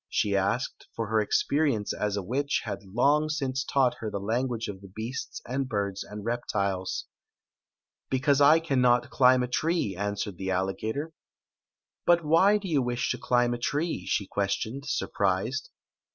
" she asked, for her experience as a witch had bng since taught her the language of the beasts and birds and reptiles. "Because I cannot climb a tree," answered the alligator. " But why do you wish to climb a tree?" she ques tioned, surprised.